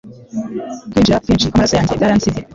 Kwinjira kwinshi kwamaraso yanjye byaransize